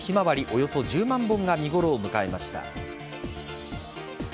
およそ１０万本が見ごろを迎えました。